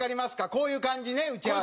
こういう感じね打ち合わせ。